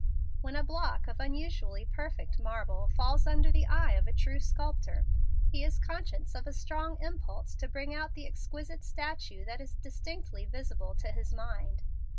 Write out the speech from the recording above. When a block of unusually perfect marble falls under the eye of a true sculptor, he is conscious of a strong impulse to bring out the exquisite statue that is distinctly visible to his mind.